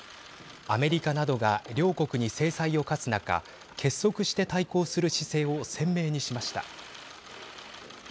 アメリカなどが両国に制裁を科す中結束して対抗する姿勢を鮮明にしました。